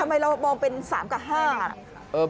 ทำไมเรามองเป็น๓กับ๕ล่ะ